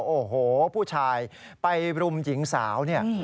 โอ้โหผู้ชายไปรุมหญิงสาว